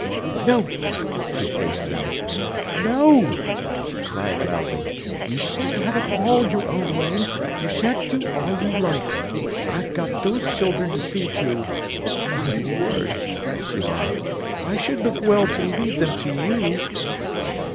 "No!" She faced round. "No," she cried loudly, "you shan't have it all your own way; you shan't do all you like. I've got those children to see to. My word," she laughed, "I should look well to leave them to you."